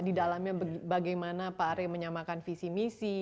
di dalamnya bagaimana pak arya menyamakan visi misi